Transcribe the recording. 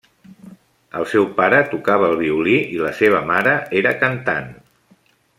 El seu pare tocava el violí i la seva mare era cantant.